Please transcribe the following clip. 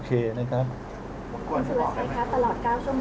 คุณสวัสดีครับตลอด๙ชั่วโมงที่ทำตอนทำกลัวไหมคะ